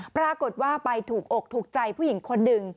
ปรากฏว่าไปถูกอกถูกใจผู้หญิงคนหนึ่ง